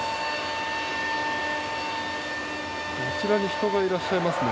あちらに人がいらっしゃいますね。